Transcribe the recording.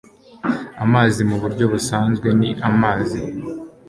Amazi, muburyo busanzwe, ni amazi.